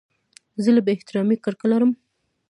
زه له بې احترامۍ کرکه لرم.